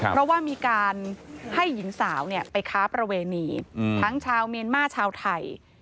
เพราะว่ามีการให้หญิงสาวไปค้าประเวณีทั้งชาวเมียนมาร์ชาวไทย